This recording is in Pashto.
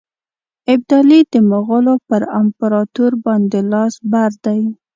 ابدالي د مغولو پر امپراطور باندي لاس بر دی.